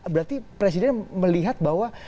berarti presiden melihat bahwa